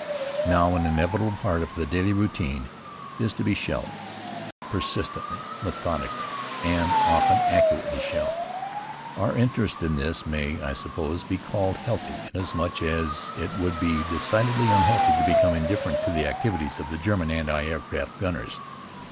Now, an inevitable part of the daily routine is to be shelled, persistently, methodically, and often accurately shelled. Our interest in this may, I suppose, be called healthy, inasmuch as it would be decidedly unhealthy to become indifferent to the activities of the German anti aircraft gunners.